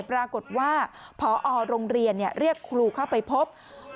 ปรากฏว่าพอโรงเรียนเรียกครูเข้าไปพบ